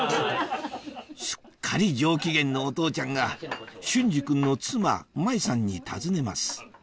すっかり上機嫌のお父ちゃんが隼司君の妻・麻衣さんに尋ねます